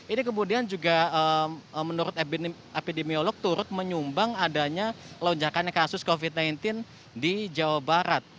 ini kemudian juga menurut epidemiolog turut menyumbang adanya lonjakannya kasus covid sembilan belas di jawa barat